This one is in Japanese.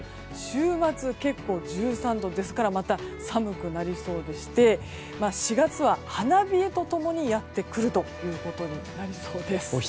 週末、１３度ですからまた寒くなりそうでして４月は花冷えと共にやってくるということになりそうです。